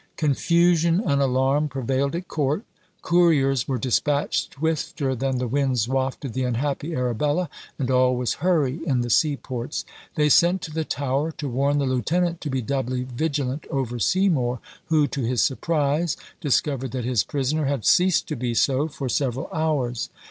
Confusion and alarm prevailed at court; couriers were despatched swifter than the winds wafted the unhappy Arabella, and all was hurry in the seaports. They sent to the Tower to warn the lieutenant to be doubly vigilant over Seymour, who, to his surprise, discovered that his prisoner had ceased to be so for several hours.